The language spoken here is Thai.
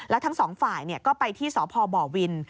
และทั้งสองฝ่ายเนี่ยก็ไปที่สพบวิน